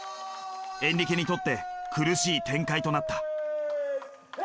エンリケにとって苦しい展開となった。